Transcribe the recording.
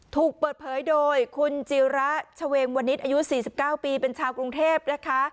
ถูกเปิดเผยโดยคุณจิระเฉวงวันนี้อายุ๔๙ปีเป็นชาวกรุงเทพนะคะ